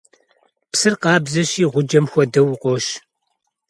Псыр къабзэщи, гъуджэм хуэдэу, укъощ.